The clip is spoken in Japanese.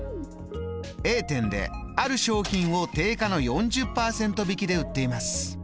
Ａ店である商品を定価の４０％引きで売っています。